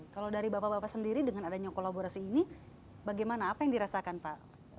kalau dari bapak bapak sendiri dengan adanya kolaborasi ini bagaimana apa yang dirasakan pak